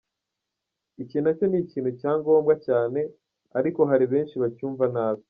Iki nacyo ni ikintu cya ngombwa cyane, ariko hari benshi bacyumva nabi.